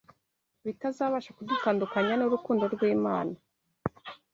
bitazabasha kudutandukanya n’urukundo rw’Imana